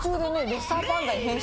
レッサーパンダに変身。